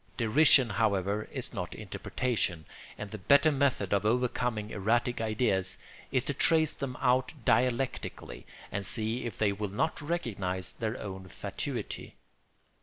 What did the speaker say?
Derision, however, is not interpretation, and the better method of overcoming erratic ideas is to trace them out dialectically and see if they will not recognise their own fatuity.